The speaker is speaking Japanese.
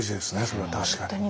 それは確かに。